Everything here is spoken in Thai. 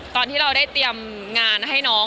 ตอนที่เราได้เตรียมงานให้น้อง